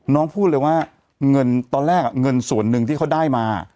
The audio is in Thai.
พูดเลยว่าเงินตอนแรกเงินส่วนหนึ่งที่เขาได้มา